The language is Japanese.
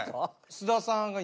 菅田さんが今。